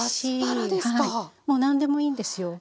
何でもいいんですよ